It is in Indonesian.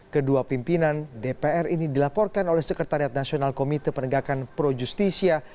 kedua pimpinan dpr ini dilaporkan oleh sekretariat nasional komite penegakan pro justisia